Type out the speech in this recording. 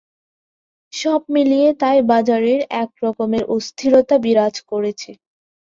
সব মিলিয়ে তাই বাজারে একধরনের অস্থিরতা বিরাজ করছে।